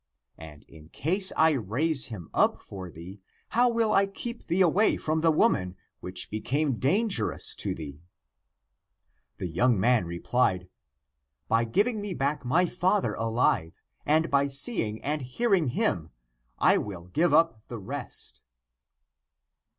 And in case I raise him up for thee, how will I keep thee awav from the woman which became danger ous to thee ?" The young man replied, " By giv ing me back my father alive, and by seeing and hearing him, I will give up the rest."